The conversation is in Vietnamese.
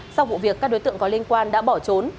sau vụ việc các đối tượng có liên quan đã bỏ trốn